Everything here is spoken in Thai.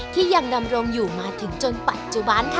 ที่ยังดำรงอยู่มาถึงจนปัจจุบันค่ะ